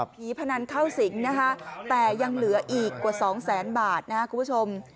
ผีพนันเข้าสิงแต่ยังเหลืออีกกว่า๒๐๐๐๐๐บาท